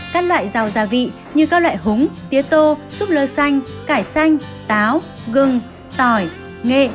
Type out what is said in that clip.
các loại rau gia vị như các loại húng tía tô súp lơ xanh cải xanh táo gừng tỏi nghệ